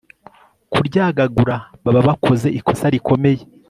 kuryagagura baba bakoze ikosa rikomeye